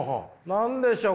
何でしょう？